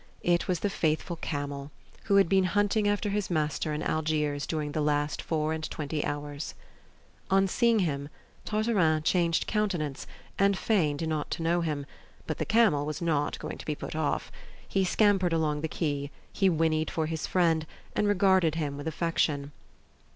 It was the faithful camel, who had been hunting after his master in Algiers during the last four and twenty hours. On seeing him, Tartarin changed countenance, and feigned not to know him, but the camel was not going to be put off. He scampered along the quay; he whinnied for his friend, and regarded him with affection.